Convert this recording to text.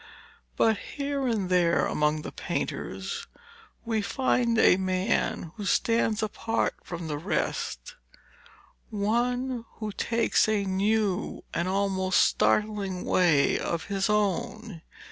But here and there among the painters we find a man who stands apart from the rest, one who takes a new and almost startling way of his own.